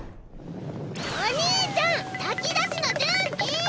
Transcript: お兄ちゃん炊き出しの準備！